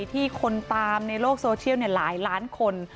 ที่คนตามในโลกโซเชียลหลายล้านคน